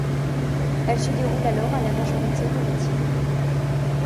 Elle se déroule alors à la majorité relative.